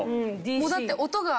もうだって音が。